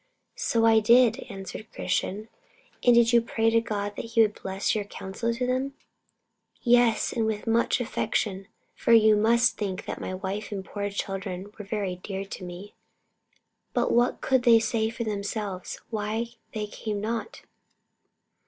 "So I did," answered Christian. "And did you pray to God that He would bless your counsel to them?" "Yes, and with much affection; for you must think that my wife and poor children were very dear unto me." "But what could they say for themselves why they came not?"